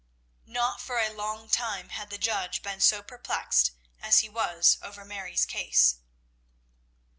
Not for a long time had the judge been so perplexed as he was over Mary's case.